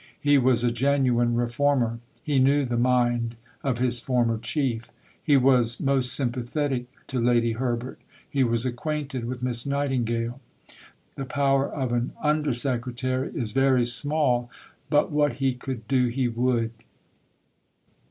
He was a genuine reformer. He knew the mind of his former Chief. He was most sympathetic to Lady Herbert. He was acquainted with Miss Nightingale. The power of an Under Secretary is very small, but what he could do, he would.